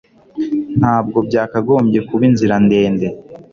Ntabwo byakagombye kuba inzira ndende